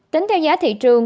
tính theo giá thị trường